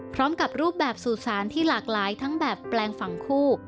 พร้อมกับรูปแบบสู่สารที่หลากหลายทั้งแบบแปลงฝั่งคู่